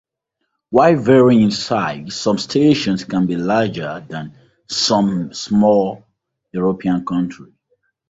While varying in size, some stations can be larger than some small European countries.